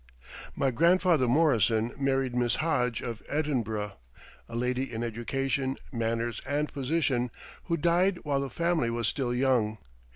My Grandfather Morrison married Miss Hodge, of Edinburgh, a lady in education, manners, and position, who died while the family was still young.